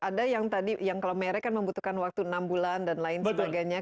ada yang tadi yang kalau merek kan membutuhkan waktu enam bulan dan lain sebagainya